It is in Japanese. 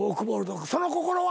その心は？